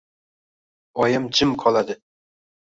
Oyim jim qoladi.